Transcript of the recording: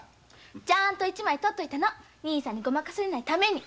１枚とっといたの兄さんにごまかされないために。